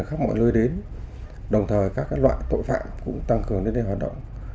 khắp mọi nơi đến đồng thời các loại tội phạm cũng tăng cường lên đây hoạt động